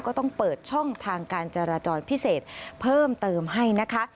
ก็ต้องเปิดช่องทางการจราจรพิเศษเพิ่มเติมให้นะคะ